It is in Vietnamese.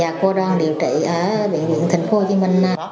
và cô đang điều trị ở bệnh viện tp hcm